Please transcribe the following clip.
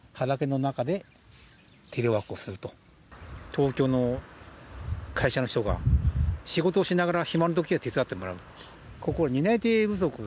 東京の会社の人が仕事をしながら暇なときは手伝ってもらう。